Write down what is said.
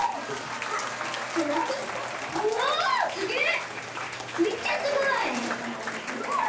めっちゃすごい。